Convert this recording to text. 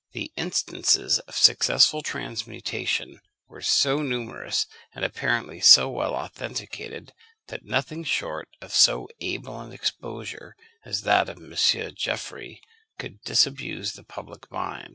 The instances of successful transmutation were so numerous, and apparently so well authenticated, that nothing short of so able an exposure as that of M. Geoffroy could disabuse the public mind.